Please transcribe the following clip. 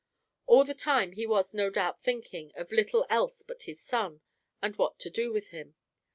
All the time he was no doubt thinking of little else but his son, and what to do with him.